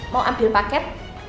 mau ambil paket